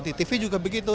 di tv juga begitu